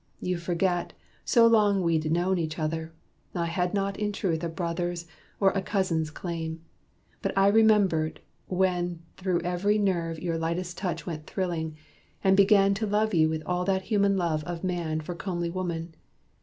You forgot, So long we'd known each other, I had not In truth a brother's or a cousin's claim. But I remembered, when through every nerve Your lightest touch went thrilling; and began To love you with that human love of man For comely woman.